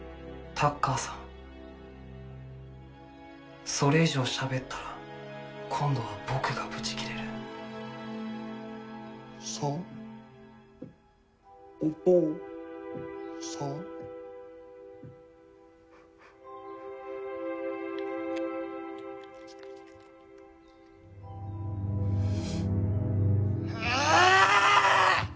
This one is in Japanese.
タッカーさんそれ以上しゃべったら今度は僕がブチ切れるさんおとうさんあ！